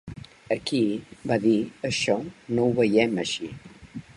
Aquí, va dir, això no ho veiem així.